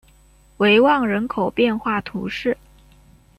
维旺人口变化图示